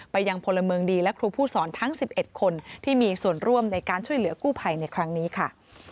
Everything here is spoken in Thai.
ยังพลเมืองดีและครูผู้สอนทั้ง๑๑คนที่มีส่วนร่วมในการช่วยเหลือกู้ภัยในครั้งนี้ค่ะ